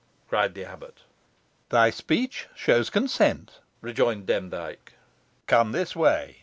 cried the abbot. "Thy speech shows consent," rejoined Demdike. "Come this way."